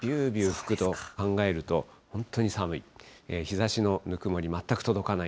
吹くと考えると、本当に寒い。